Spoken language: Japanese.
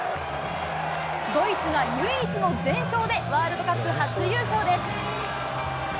ドイツが唯一の全勝で、ワールドカップ初優勝です。